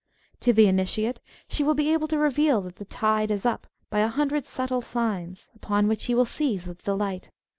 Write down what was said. To the initiate she will be able to reveal that the tide is up by a hundred subtle signs, upon which he will seize with delight.